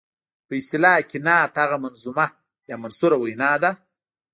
په اصطلاح کې نعت هغه منظومه یا منثوره وینا ده.